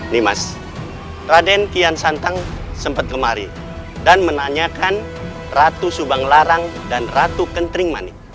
nih mas raden kian santang sempat kemari dan menanyakan ratu subang larang dan ratu kentring mani